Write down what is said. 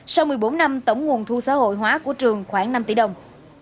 sau một mươi bốn năm tổng nguồn thu xã hội hóa của trường khoảng năm tỷ đồng